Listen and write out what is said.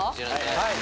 はい。